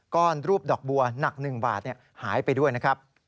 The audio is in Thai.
รูปดอกบัวหนัก๑บาทหายไปด้วยนะครับ